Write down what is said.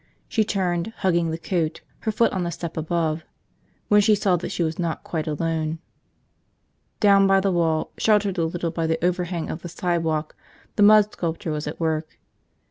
She turned, hugging the coat, her foot on the step above, when she saw that she was not quite alone. Down by the wall, sheltered a little by the overhang of the sidewalk, the mud sculptor was at work.